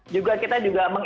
juga kita juga memperbaiki